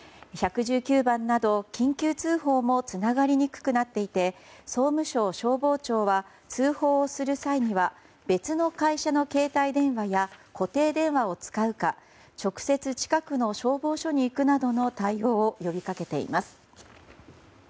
１１９番など緊急通報もつながりにくくなっていて総務省消防庁は通報をする際には別の会社の携帯電話や固定電話を使うか直接、近くの消防署に行くなどの対応を呼びかけています。